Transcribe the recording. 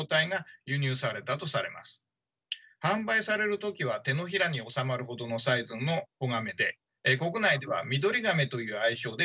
販売される時は手のひらに収まるほどのサイズの子ガメで国内ではミドリガメという愛称で親しまれてきました。